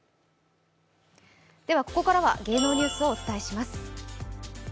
ここからは芸能ニュースをお伝えします。